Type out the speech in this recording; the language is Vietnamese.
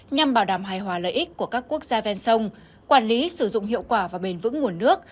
nhằm bảo đảm hài hòa lợi ích của các quốc gia ven sông quản lý sử dụng hiệu quả và bền vững nguồn nước